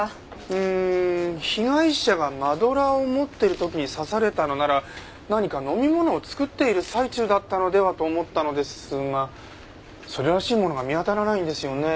うーん被害者がマドラーを持ってる時に刺されたのなら何か飲み物を作っている最中だったのではと思ったのですがそれらしいものが見当たらないんですよね。